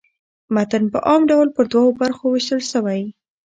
متن په عام ډول پر دوو برخو وېشل سوی.